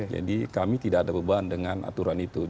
jadi kami tidak ada beban dengan aturan itu